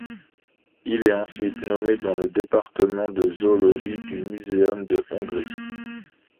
Il est ensuite nommé dans le département de zoologie du Muséum de Hongrie.